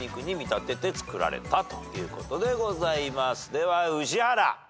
では宇治原。